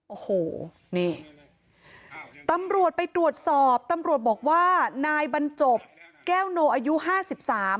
โอ้โหนี่ตำรวจไปตรวจสอบตำรวจบอกว่านายบรรจบแก้วโนอายุห้าสิบสาม